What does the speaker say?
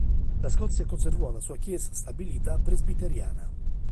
La Scozia conservò la sua Chiesa stabilita presbiteriana.